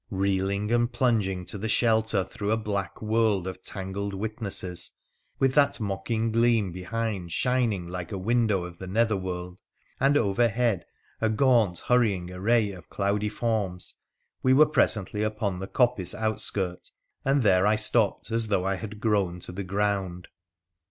Eeeling and plunging to the shelter through a black world of tangled witnesses, with that mocking gleam behind shining like a window of the nether world, and overhead a gaunt, hurrying array of cloudy forms, we were presently upon the coppice outskirt, and there I stopped as though I had grown to the ground.